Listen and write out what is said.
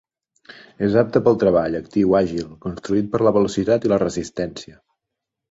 És apte pel treball, actiu, àgil, construït per la velocitat i la resistència.